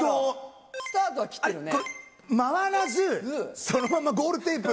スタートは切ってるね。